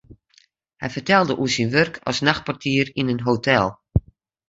Hy fertelde oer syn wurk as nachtportier yn in hotel.